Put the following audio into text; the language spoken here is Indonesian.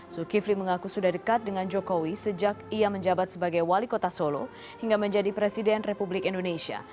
zulkifli mengaku sudah dekat dengan jokowi sejak ia menjabat sebagai wali kota solo hingga menjadi presiden republik indonesia